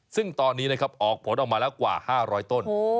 ซึ่งตอนนี้นะครับออกผลออกมาแล้วกว่า๕๐๐ต้น